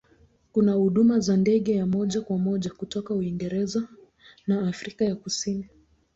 Kuna huduma za ndege ya moja kwa moja kutoka Uingereza na Afrika ya Kusini.